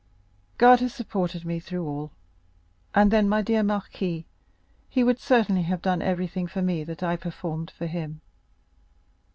"God has supported me through all; and then, my dear marquis, he would certainly have done everything for me that I performed for him.